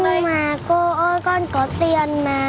nhưng mà cô ơi con có tiền mà